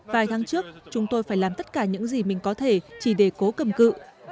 vài tháng trước chúng tôi phải làm tất cả những gì mình có thể chỉ để cố cầm cự